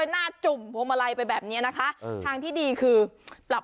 เอาจริงนะข้างหลังไม่เจ็บ